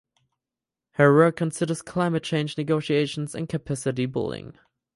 Her work considers climate change negotiations and capacity building.